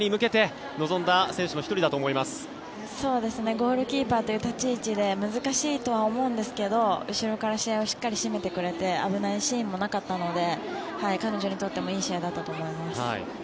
ゴールキーパーという立ち位置で難しいとは思うんですけど後ろから試合をしっかり締めてくれて危ないシーンもなかったので彼女にとってもいい試合だったと思います。